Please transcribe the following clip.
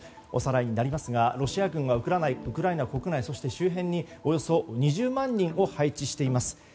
おさらいになりますがロシア軍はウクライナ国内そして周辺におよそ２０万人を配置しています。